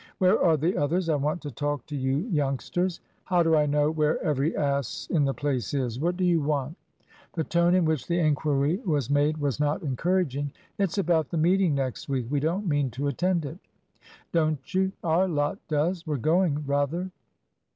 "Where are the others? I want to talk to you youngsters." "How do I know where every ass in the place is? What do you want?" The tone in which the inquiry was made was not encouraging. "It's about the meeting next week. We don't mean to attend it." "Don't you? Our lot does. We're going. Rather."